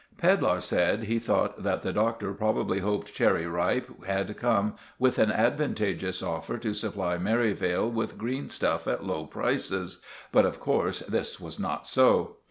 Pedlar said he thought that the Doctor probably hoped Cherry Ripe had come with an advantageous offer to supply Merivale with green stuff at low prices; but of course this was not so.